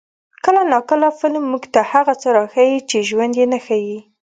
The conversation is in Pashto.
کله ناکله فلم موږ ته هغه څه راښيي چې ژوند یې نه ښيي.